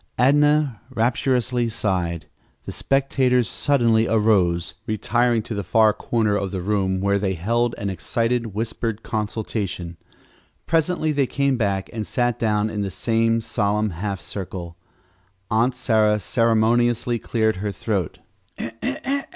Adnah rapturously sighed. The spectators suddenly arose, retiring to the far corner of the room, where they held an excited, whispered consultation. Presently they came back and sat down in the same solemn half circle. Aunt Sarah ceremoniously cleared her throat.